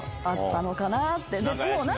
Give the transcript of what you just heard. あったのかなって。